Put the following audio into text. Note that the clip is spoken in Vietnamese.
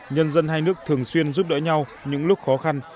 nhân dân hai nước thường xuyên giúp đỡ nhau những lúc khó khăn